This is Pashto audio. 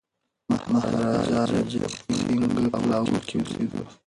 مهاراجا رنجیت سنګ په لاهور کي اوسېده.